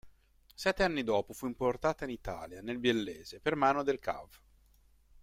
Sette anni dopo fu importata in Italia, nel biellese, per mano del Cav.